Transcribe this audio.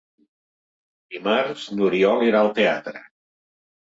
Dimarts n'Oriol irà al teatre.